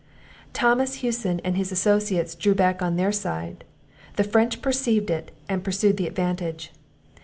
Thomas Hewson and his associates drew back on their side; the French perceived it, and pursued the advantage.